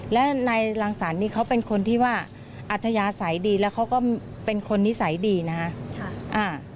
และนายรังสรรค์นี่เขาเป็นคนที่ว่าอัธยาศัยดีแล้วเขาก็เป็นคนนิสัยดีนะฮะ